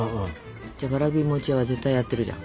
わらび餅屋は絶対やってるじゃん。